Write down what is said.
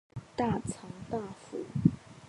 官位是大藏大辅。